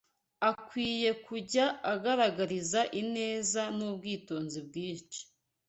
akwiriye kujya abagaragariza ineza n’ubwitonzi bwinshi